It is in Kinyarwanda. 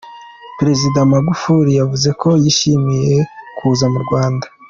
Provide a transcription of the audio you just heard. Perezida Magufuri yavuze ko yishimiye kuza mu Rwanda.